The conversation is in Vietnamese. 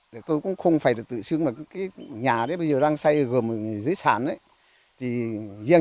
thì tôi cũng không phải là tự dưng mà cái nhà đấy bây giờ đang xây gồm dưới sản đấy thì riêng